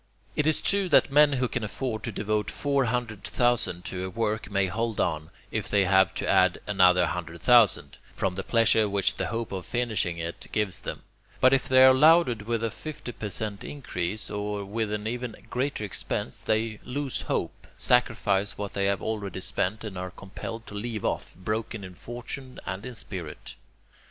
It is true that men who can afford to devote four hundred thousand to a work may hold on, if they have to add another hundred thousand, from the pleasure which the hope of finishing it gives them; but if they are loaded with a fifty per cent increase, or with an even greater expense, they lose hope, sacrifice what they have already spent, and are compelled to leave off, broken in fortune and in spirit.